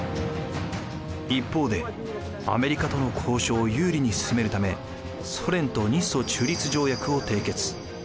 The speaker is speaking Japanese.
一方でアメリカとの交渉を有利に進めるためソ連と日ソ中立条約を締結。